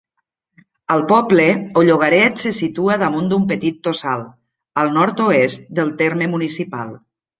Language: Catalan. El poble o llogaret se situa damunt d'un petit tossal, al nord-oest del terme municipal.